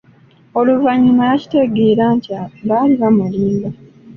Oluvannyuma yakitegeera nti baali bamulimba.